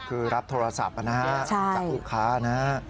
คือรับโทรศัพท์นะฮะจากลูกค้านะฮะ